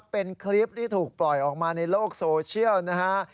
เป็นคลิปที่ถูกปล่อยออกมาในโลกโซเชียลนะฮะ